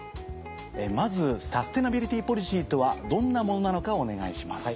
まずサステナビリティポリシーとはどんなものなのかお願いします。